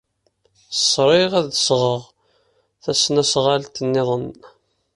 Sriɣ ad d-sɣeɣ tasnasɣalt niḍen.